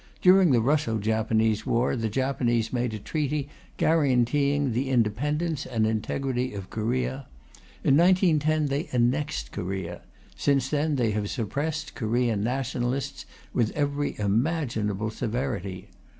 During the Russo Japanese war, the Japanese made a treaty guaranteeing the independence and integrity of Korea; in 1910 they annexed Korea; since then they have suppressed Korean nationalists with every imaginable severity.